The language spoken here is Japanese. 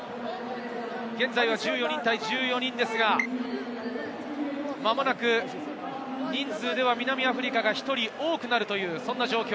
現在、１４人対１４人ですが、まもなく人数では南アフリカが１人多くなるという状況。